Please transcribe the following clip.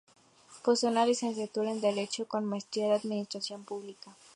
Posee una licenciatura en Derecho, con maestría en Administración Pública.